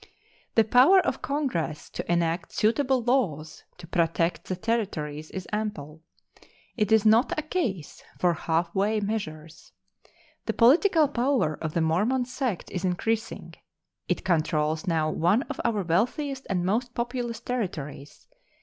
The power of Congress to enact suitable laws to protect the Territories is ample. It is not a case for halfway measures. The political power of the Mormon sect is increasing. It controls now one of our wealthiest and most populous Territories.